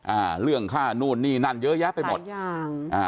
อ่าเรื่องค่านู่นนี่นั่นเยอะแยะไปหมดยังอ่า